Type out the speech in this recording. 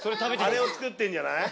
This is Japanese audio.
あれを作ってんじゃない？